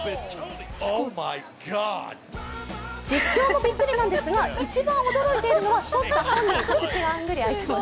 実況もびっくりなんですが一番驚いているのは取った本人